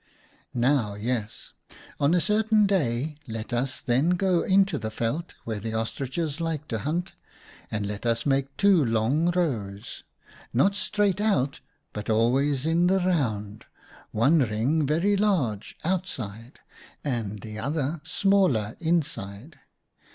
Now yes, on a certain day let us then go into the veld where the Ostriches like to hunt, and let us make two long rows, not straight out but always in the round ; one ring, very large, outside, and the other, smaller, inside.